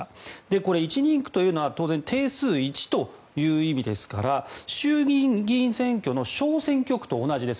これ、１人区というのは定数１という意味ですから衆議院議員選挙の小選挙区と同じです。